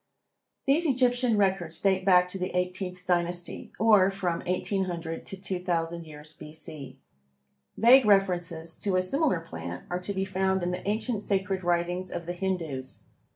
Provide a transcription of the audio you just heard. These Egyptian records date back to the eighteenth dynasty, or from 1800 to 2000 years B. C. Vague references to a similar plant are to be found in the ancient sacred writings of the Hindoos.